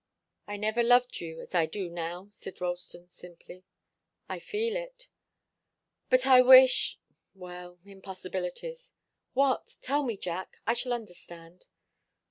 "I never loved you as I do now," said Ralston, simply. "I feel it." "But I wish well, impossibilities." "What? Tell me, Jack. I shall understand."